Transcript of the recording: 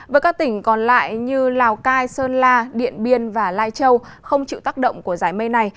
với các tỉnh còn lại như lào cai sơn la điện biên và lai châu không chịu tác động của giải mây này